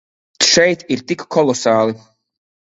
Šeit ir tik kolosāli.